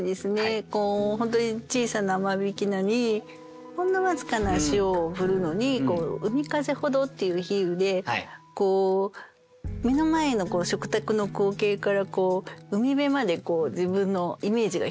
本当に小さな間引菜にほんの僅かな塩を振るのに「海風ほど」っていう比喩で目の前の食卓の光景から海辺まで自分のイメージが広がっていくような